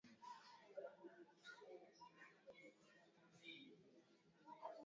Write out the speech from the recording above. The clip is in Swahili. Yake amri ya pili ilivunjwa inayokataza ibada ya sanamu wanadamu wakaabudu sanamu na viumbe